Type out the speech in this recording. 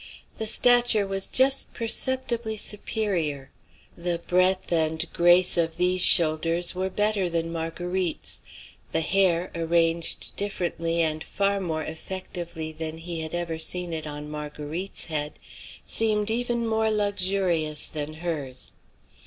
The stature was just perceptibly superior. The breadth and grace of these shoulders were better than Marguerite's. The hair, arranged differently and far more effectively than he had ever seen it on Marguerite's head, seemed even more luxurious than hers.